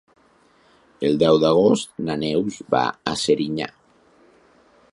El deu d'agost na Neus va a Serinyà.